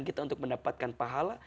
kita untuk mendapatkan pahala